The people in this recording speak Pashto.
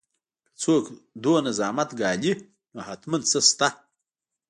که څوک دومره زحمت ګالي نو حتماً څه شته